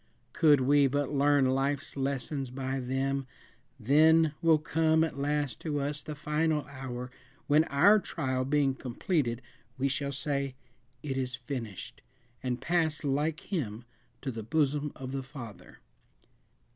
Could we but learn life's lessons by them, then will come at last to us the final hour, when, our trial being completed, we shall say "It is finished," and pass like him to the bosom of the Father.